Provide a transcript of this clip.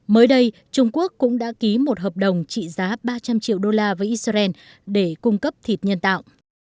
mới đây trung quốc cũng đã ký một hợp đồng trị giá ba trăm linh triệu đô la với israel để cung cấp thịt nhân tạo